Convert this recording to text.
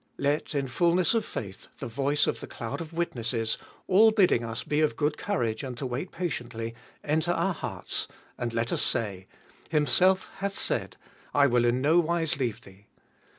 Let, in the fulness of faith, the voice of the cloud of witnesses, all bidding us be of good courage and to wait patiently, enter our hearts, and let us say : Himself hath said, I will in no wise leave thee.